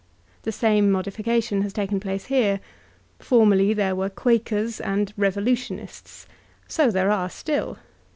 The same modi fication has taken place here. Formerly there were "Quakers*' and "Revolutionists" ; so there are still.